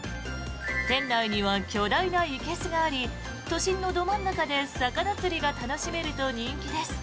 店内には巨大ないけすがあり都心のど真ん中で魚釣りが楽しめると人気です。